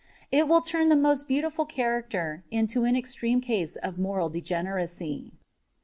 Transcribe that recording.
It will turn the most beautiful character into an extreme case of moral degeneracy.